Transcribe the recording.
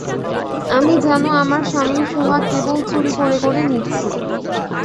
আমি যেন আমার স্বামীর সোহাগ কেবল চুরি করে করে নিচ্ছি।